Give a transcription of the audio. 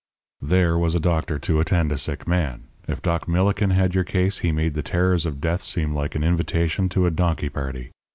"There was a doctor to attend a sick man! If Doc Millikin had your case, he made the terrors of death seem like an invitation to a donkey party.